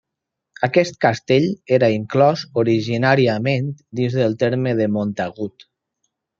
Aquest castell era inclòs originàriament dins del terme de Montagut.